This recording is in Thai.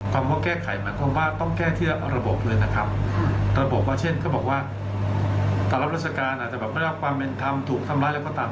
ความว่าแก้ไขมันก็ว่าต้องแก้เที่ยวระบบเลยนะครับระบบว่าเช่นเขาบอกว่าตราบรัฐกาลอาจจะแบบไม่รับความเป็นธรรมถูกทำร้ายแล้วก็ตาม